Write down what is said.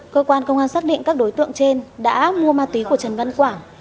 cơ quan công an xác định các đối tượng trên đã mua ma túy của trần văn quảng